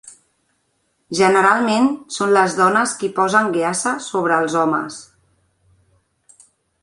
Generalment són les dones qui posen "geasa" sobre els homes.